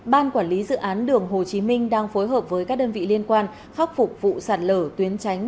ban quản lý dự án đường hồ chí minh đang phối hợp với các đơn vị liên quan khắc phục vụ sạt lở tuyến tránh